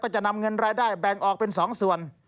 จะนำเงินรายได้แบ่งออกเป็น๒ส่วน